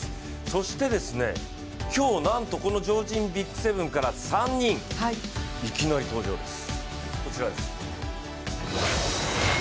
そして今日、なんとこの超人ＢＩＧ７から３人、いきなり登場です、こちらです。